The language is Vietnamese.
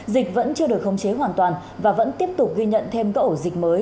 dịch vẫn chưa được khống chế hoàn toàn và vẫn tiếp tục ghi nhận thêm cậu dịch mới